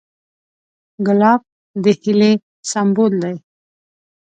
ګلاب د هیلې سمبول دی.